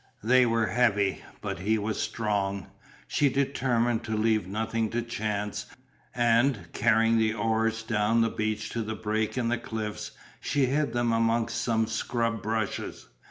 They were heavy, but he was strong. She determined to leave nothing to chance and, carrying the oars down the beach to the break in the cliffs, she hid them amongst some scrub bushes.